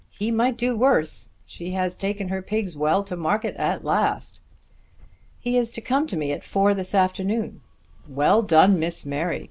He might do worse. She has taken her pigs well to market at last!" "He is to come to me at four this afternoon." "Well done, Miss Mary!